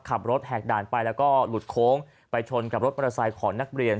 ขับรถแหกด่านไปแล้วก็หลุดโค้งไปชนกับรถมรสายของนักเรียน